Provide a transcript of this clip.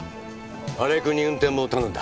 荒井くんに運転も頼んだ。